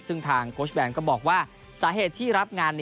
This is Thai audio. ซึ่งทางโค้ชแบนก็บอกว่าสาเหตุที่รับงาน